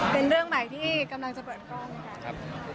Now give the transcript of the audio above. เป็นเรื่องใหม่ที่กำลังจะเปิดกล้องค่ะ